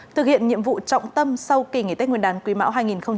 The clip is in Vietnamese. thực hiện nhiệm vụ trọng tâm sau kỳ nghỉ tết nguyên đán quý mão hai nghìn hai mươi